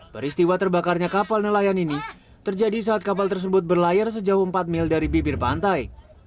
peristiwa terbakarnya kapal nelayan ini terjadi saat kapal tersebut berlayar sejauh empat mil dari bibir pantai